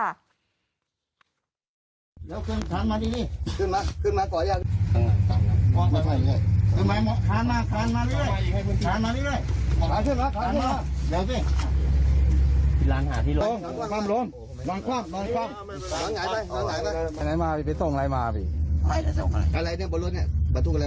อ่าให้้หนูหนะก็บอกว่ารถทางนี้